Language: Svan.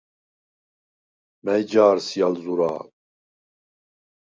მა̈ჲ ჯა̄რ სი ალ ზურა̄ლ?